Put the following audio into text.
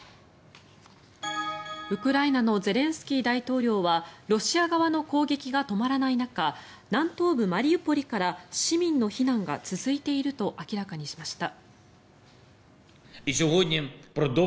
ウクライナのゼレンスキー大統領はロシア側の攻撃が止まらない中南東部マリウポリから市民の避難が続いていると明らかにしました。